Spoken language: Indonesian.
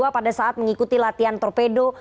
pada saat mengikuti latihan torpedo